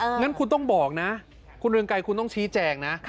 งั้นคุณต้องบอกนะคุณเรืองไกรคุณต้องชี้แจงนะ